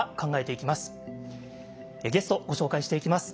ゲストご紹介していきます。